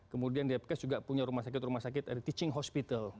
kemudian depkes juga punya rumah sakit rumah sakit ada teaching hospital